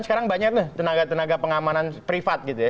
sekarang banyak tenaga tenaga pengamanan privat gitu ya